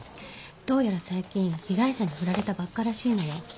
どうやら最近被害者にふられたばっからしいのよ。